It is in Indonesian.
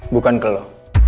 bukan ke lo